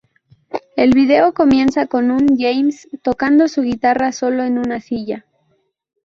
El video comienza con un James tocando su guitarra solo en una silla.